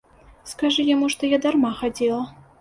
Скажы яму, што я дарма хадзіла.